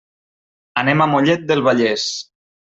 Anem a Mollet del Vallès.